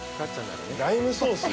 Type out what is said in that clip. ライムソース